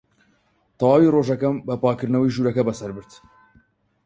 تەواوی ڕۆژەکەم بە پاککردنەوەی ژوورەکە بەسەر برد.